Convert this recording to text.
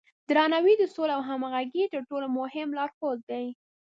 درناوی د سولې او همغږۍ تر ټولو مهم لارښود دی.